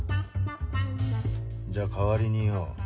じゃあ代わりに言おう。